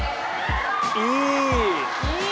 いい！